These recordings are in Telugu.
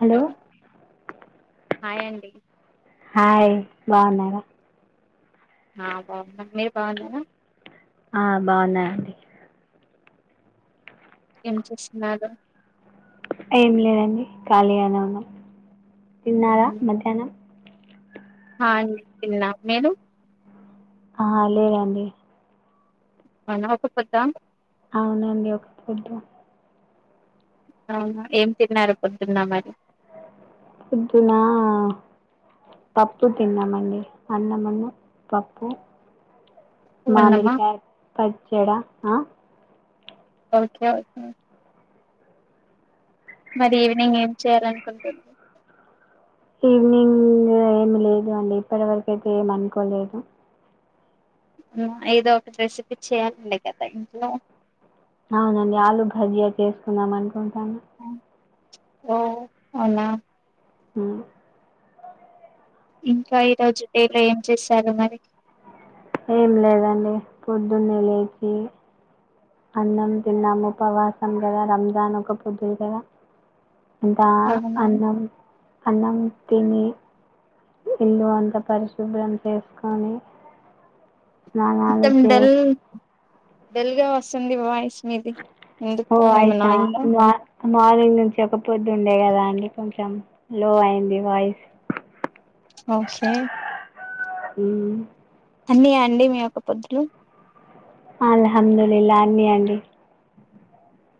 హలో హ్యాండి హాయ్ బాగున్నారా ఆ బాగున్నా మీరు బాగున్నాార ఆ బాగున్నారండి ఏం చేస్తున్నారు ఏం లేదండి ఖాళీగానే ఉన్నాం తిన్నారా మధ్యాహ్నం హ అండి తిన్నా. మీరు? ఆ లేదండి. పండగా ఒక్కపొద్దా అం అవునండి ఒక పొద్దు. అవునా ఏం తిన్నారు పొద్దున మరి. పొద్దునా పప్పు తిన్నామండి. అన్నమున్ను పప్పు ఉన్నమా మామిడికాయ పచ్చడా ఆ ఓకే ఓకే మరి ఈవినింగ్ ఏం చేయాలనుకుంటున్నరు. ఈవినింగ్ ఏమి లేదు అండి ఇప్పటివరకు అయితే ఏమ అనుకోలేదు. ఏదో ఒకటి రెసిపీ చేయ్యాలండి కదా ఇంట్లో. అవునండి ఆలు భజ్జీయా చేసుకుందాం అనుకుంటాన్నా. ఓ అవునా. అ ఇంకా ఈరోజు డేలో ఏం చేశారు మరి. ఏం లేదండి పొద్దున్నే లేచి అన్నం తిన్నాము. ఉపవాసం గదా రంజాన్ ఒక పొద్దులు కదా. ఇంకా అవునా అన్నం, అన్నం తిని ఇల్లు అంతా పరిశుభ్రం చేసుకొని, స్నానాలు చేసి, డల్గా వస్తుంది వాయిస్ మీది ఓ ఎందుకో ఏమన్నా వాయిసా అయ్యిందా. మా మార్నింగ్ నుంచి ఒక పొద్దు ఉండే కదా అండి కొంచెం లో అయింది వాయిస్. ఓకే హ్మ్ అన్నియా అండి మీ ఒక్క పొద్దులు. అల్హందులిల్లా అన్నీ అండి.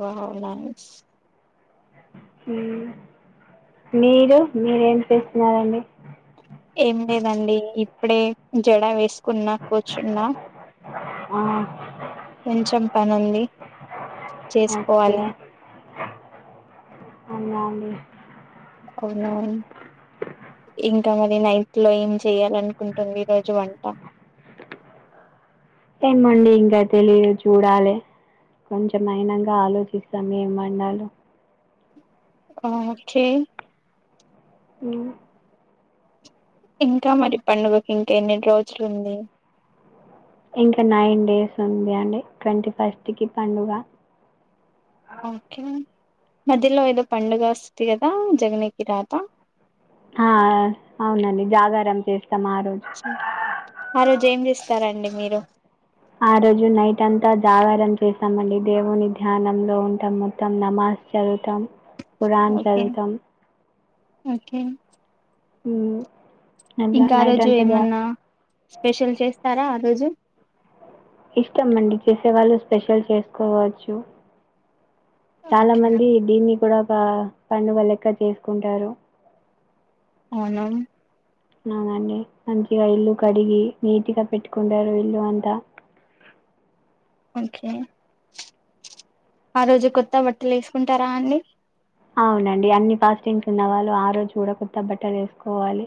Wow nice. హ్మ్ మీరు మీరేం చేస్తున్నారండి? ఏం లేదండి ఇప్పుడే జడా వేసుకున్నా, కూర్చున్నా. ఆ కొంచెం పనుంది. ఓకే చేసుకోవాలి అవునా అండి. అవునా ఇంకా మరి నైట్లో ఏం చెయాలనుకుంటుంది ఈ రోజు వంటా. ఏమండి ఇంకా తెలియదు చూడాలె. కొంచెం అయినంగా ఆలోచిస్తాం ఏం వండాలో. ఆ ఓకే. హ్ ఇంకా మరి పండుగకి ఇంకా ఎన్ని రోజులు ఉంది. ఇంకా నైన్ డేస్ ఉంది అండి. ట్వంటీ ఫస్ట్కి పండుగ. ఓకే మధ్యలో ఏదో పండుగ వస్ది కదా జగ్నేకి రాత్ ఆ ఆ అవునండి జాగారం చేస్ ఆ రోజు ఏం చేస్తారండి మీరు? ఆ రోజు నైట్ అంతా జాగారం చేస్తామండి. దేవుని ధ్యానంలో ఉంటాం మొత్తం నమా జ్ చదువుతాం, కురాన్ ఓకే చదువుతాం. ఓకే ఊ ఇంకా ఆ రోజు ఏమన్నా స్పెషల్ చేస్తారా ఆ రోజు. ఇష్టం అండి చేసేవాళ్ళు స్పెషల్ చేసుకోవచ్చు చాలా ఓకే మంది దీన్ని కూడా ఒక పండుగ లెక్క చేసుకుంటారు అవునా అవునండి మంచిగా ఇల్లు కడిగి నీటిగా పెట్టుకుంటారు ఇల్లు అంతా [inaudible] ఓకే ఆ రోజు కొత్త బట్టలు వేసుకుంటారా అండి అవునండి అన్ని ఫాస్టింగ్స్ ఉన్నవాళ్ళు ఆ రోజు కూడా కొత్త బట్టలు వేసుకోవాలి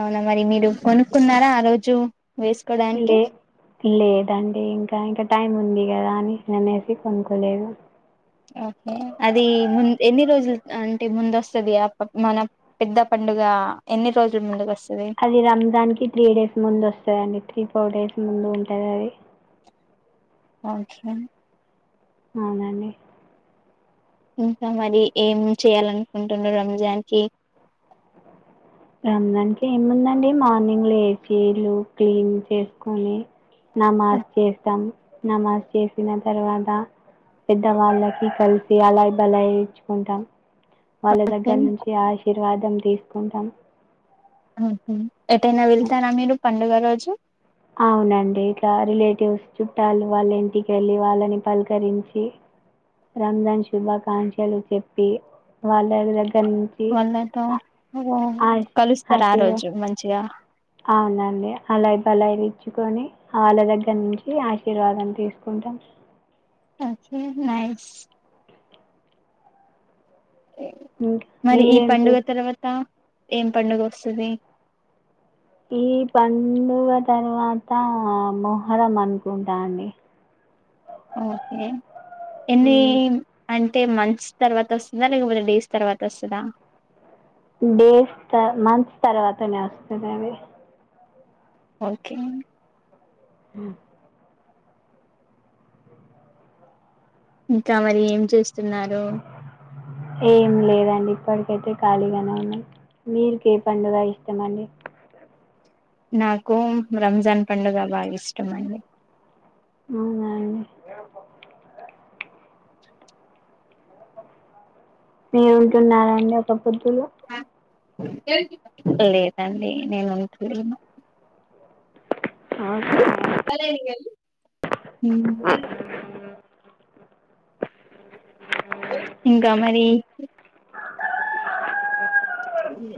అవునా మరి మీరు కొనుక్కున్నారా ఆ రోజు వేసుకోడానికి లే లేదండి ఇంకా ఇంక టైం ఉంది కదా అని అనేసి కొనుక్కోలేదు ఓకే అదీ మున్ ఎన్ని రోజులు అంటే ముందొస్తది ఆ ప మన పెద్ద పం ముందుగా ఎన్ని రోజులు ముందుగా వస్త అది రంజాన్ కి త్రీ డేస్ ముందు వస్తదండి త్రీ ఫోర్ డేస్ ముందు ఉంటది అది ఓకే అవునండి ఇంక మరి ఏం చేయాలనుకుంటున్నారు రంజాన్ కి రంజాన్ కి ఏముందండి మార్నింగ్ లేచి ఇల్లు క్లీన్ చేసుకొని నమాజ్ చేస్తాం నమాజ్ చేసిన తర్వాత పెద్దవాళ్ళకి కలిసి అలాయ్ బలాయ్ ఇచ్చుకుంటాం వాళ్ళ దగ్గర నుంచి ఆశీర్వాదం తీసుకుంటాం ఆహ ఎటైన ఆ! వెళ్తారా మీరు పండుగ రోజు అవునండి ఇకా రిలేటివ్స్ చుట్టాలు వాళ్ళ ఇంటిక వెళ్ళి వాళ్ళని పలకరించి రంజాన్ శుభాకాంక్షలు చెప్పి వాళ్ళ దగ్గ వాళ్ళతో ఓ ఆశీ కలుస్తారా ఆ ఆశీర్వా రోజు మంచిగా అవునండి అలాయ్ బలయ్ ఇచ్చుకొని వాళ్ళ దగ్గర నుంచి ఆశీర్వాదం తీసుకు ఉంటాం ఓకే నైస్ ఇంకా మరి ఈ మీరేం పండుగ చేస్ తర్వాత ఏం పండుగ వస్తది ఈ పండుగ తర్వాత మొహర్రం అనుకుంటా అండి ఓకే ఎన్నీ హ్మ్. అంటే మంత్స్ తర్వాత వస్తదా లేకపోతె డేస్ తర్వాత వస్తదా డేస్ త మంత్స్ తర్వాతనే వస్తది అండి ఓకే హ ఇంకా మరి ఏం చేస్తున్నారు ఏం లేదండి ఇప్పడికైతే ఖాళీగానే ఉన్నాను మీరికి ఏ పండుగ ఇష్టం అండి నాకు రంజాన్ పండుగ బాగా ఇష్టం అండి అవునా అండి మీరు ఉంటున్నారా అండి ఒక పొద్దులు లేదండి నేను ఉంటలేను హ సరైనది హ్మ్ [inaudible] ఇంకా మరి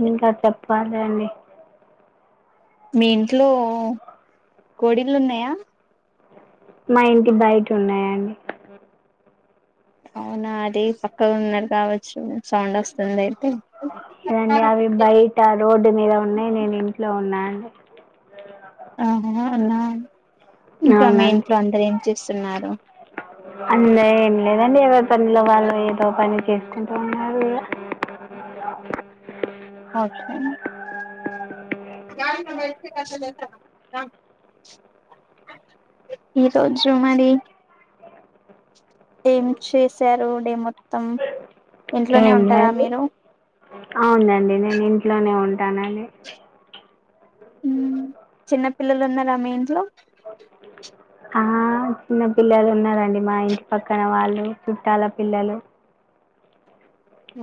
ఇంకా చెప్పాలి అండి మీ ఇంట్లో కోడీలు ఉన్నాయా మా ఇంటి బయట ఉన్నాయండి అవునా అది పక్కగా ఉన్నారు కావచ్చు సౌండ్ వస్తుంది అయితే లేదండి అవి బయట రోడ్డు మీద ఉన్నాయి నేను ఇంట్లో ఉన్నా అండి ఆహా అలా ఇంకా మీ అవునండి ఇంట్లో అందరు ఏం చేస్తున్నారు అంద ఏం లేదండి ఎవరి పనిలో వాళ్ళు ఏదో పని చేసుకుంటూ ఉన్నారు ఇగ అచ్చ [unintelligible] ఈ రోజు మరి ఏం చేశారు డే మొత్తం ఇంట్లోనే ఏం ఉంటారా లేదు మీరు అవునండి నేను ఇంట్లోనే ఉంటానండి ఉమ్ చిన్న పిల్లలు ఉన్నారా మీ ఇంట్లో ఆ చిన్న పిల్లలు ఉన్నారండి మా ఇంటి పక్కన వాళ్ళు చుట్టాల పిల్లలు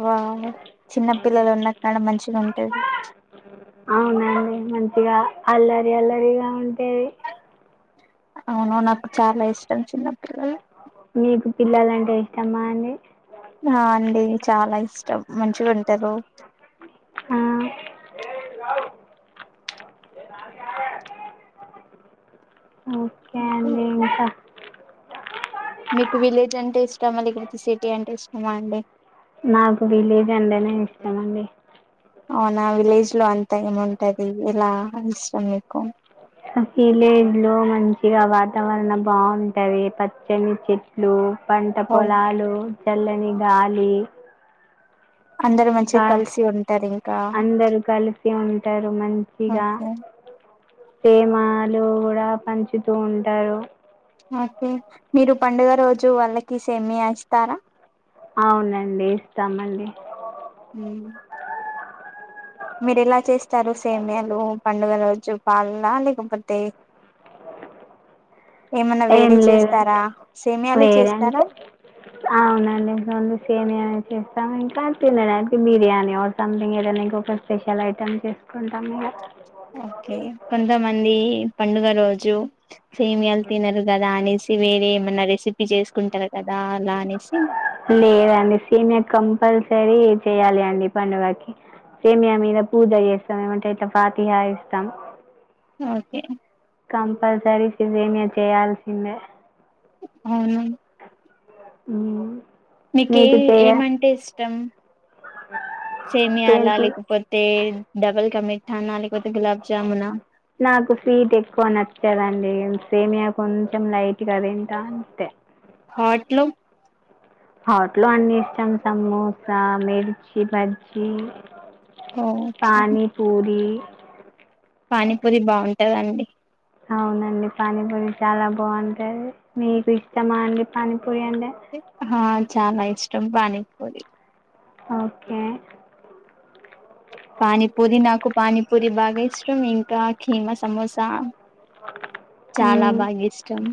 వా చిన్న పిల్లలు ఉన్నా కాడ మంచిగా ఉంటాది అవునండి మంచిగా అల్లరి అల్లరిగా ఉంటే అవున నాకు చాలా ఇష్టం చిన్నపిల్లలు మీకు పిల్లలంటే ఇష్టమా అండి ఆ అండి చాలా ఇష్టం మంచిగా ఉంటారు ఆ ఓకే అండి ఇంకా మీకు విలేజ్ అంటే ఇష్టామా లేకపోతే సిటీ అంటే ఇష్టామా అండి నాకు వీలేజ్ అంటే నే ఇష్టమండి అవునా విలేజ్ లో అంత ఏముంటది ఇలా ఇష్టం మీకు విలేజ్ లో మంచిగా వాతావరణం బాగుంటాంది పచ్చని చెట్లు పంట ఓ పొలాలు చల్లని గాలి అందరు మంచిగా కా కలిసి ఉంటారు ఇంకా అందరు కలిసి ఉంటారు ప్రేమాలు కూడా పంచుతూ ఉంటారు ఓకే మీరు పండుగ రోజు వాళ్ళకి సేమియా ఇస్తారా అవునండి ఇస్తామండి ఉమ్ మీరు ఎలా చేస్తారు సేమియాలు పండుగల రోజు పాల లేకపోతే ఏమన్నా ఏం వేరే లేదా చేస్తారా సేమియానే వేరే చేస్తారా అంటే అవునండి రొండు సేమియా నే చెస్ ఇంకా తినడానికి బిర్యానీ ఒక సంథింగ్ ఏదైనాక ఒక స్పెషల్ ఐటమ్ చేసుకుంటాం ఇగ ఓకే కొంతమంది పండుగ రోజు సేమ్యాలు తినరు కదా అనేసి వేరే ఏమైన్నా రెసిపీ చేసుకుంటరు లేదండి సేమియా కంపల్స సరి చేయ్యాలి అండి పండుగకి సేమియా మీద పూజ చేస్తాం ఏమంటే ఇట్లా పాతిహ ఇస్తాం ఓకే సరిసి సేమియా చేయాల్సిందే అవును ఊ మ్ మీకీ ఏమంటే ఇష్టం సేమియాల దేంట్లో లేకపోతే డబల్ క మీటనా లేకపోతే గులాబ్ జామునా నాకు సీట్ ఎక్కువ నచ్చదండి సేమియా కొంచెం లైట్గా తింటా అంతే హాట్లు హాట్ లో అన్ని ఇష్టం సమోసా మిర్చి బజ్జీ ఓ పానీ పూరి పానీపూరి బాగుంటదండి అవునండి పానీ పూని చాలా బాగుంటాది మీకు ఇష్టమా అండి పాని పోయాంటే ఆ చాలా ఇష్టం పానిపూరీ ఓకే పానీపూరి నాకు పానీపూరి బాగా ఇష్టం ఇంకా కీమ సమోసా చాలా మ్మ్. బాగా ఇష్టం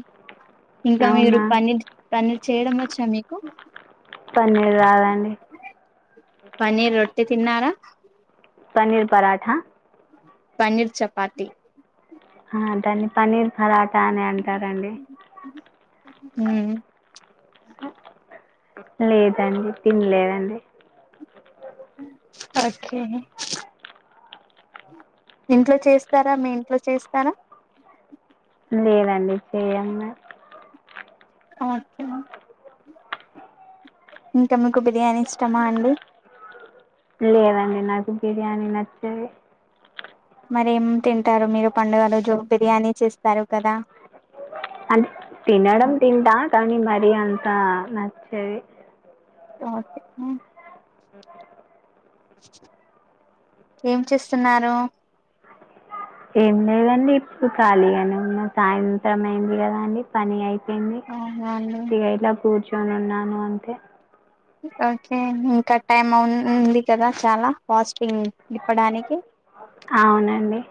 ఇంకా మీరు అవునా పన్నర్ పన్నర్ చేయడం వచ్చా మీకు పన్నీరు రాదండి పన్నీర్ రొట్టె తిన్నారా పనీర్ పరాఠా పన్నీర్ చపాతి ఆ దాన్ని పన్నీర్ పరాటా అని అంటారండి హ్మ్మ్ లేదండి తినలేదండి ఓకే ఇంట్లో చేస్తారా మీ ఇంట్లో చేస్తారా లేదండి చేయము మేము ఓకే ఇంకా మీకు బిర్యానీ ఇష్టమా అండి లేదండి నాకు బిర్యానీ నచ్చదు మరేం తింటారు మీరు పండుగలు రోజో బిర్యానీ చేస్తారు కదా అంటే తినడం తింటా కానీ మరి అంతా నచ్చది ఓకే [inaudible] ఏం చేస్తున్నారు ఏం లేదండి ఇప్పుడు ఖాళీగానే ఉన్న సాయంత్రం అయింది కదా అండి పని అయి చెప్పింది అవునా అండి ఇగ ఇలా కూర్చొని ఉన్నాను అంటే ఓకే ఇంకా టైమ్ ఉ ఉ వుంది కదా చాలా స్ ఇప్పడానికి అవునండి